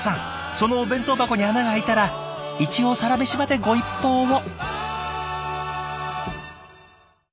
そのお弁当箱に穴が開いたら一応「サラメシ」までご一報を。